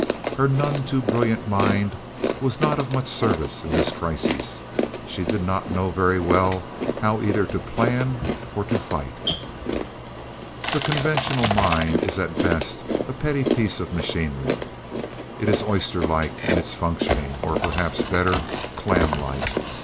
Her none too brilliant mind was not of much service in this crisis. She did not know very well how either to plan or to fight. The conventional mind is at best a petty piece of machinery. It is oyster like in its functioning, or, perhaps better, clam like.